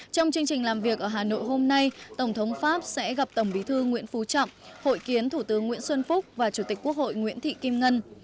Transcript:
trong chương trình làm việc ở hà nội hôm nay tổng thống pháp sẽ gặp tổng bí thư nguyễn phú trọng hội kiến thủ tướng nguyễn xuân phúc và chủ tịch quốc hội nguyễn thị kim ngân